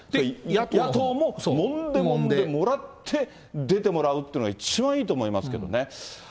野党ももんでもらって、出てもらうというのが一番いいと思いますけどね。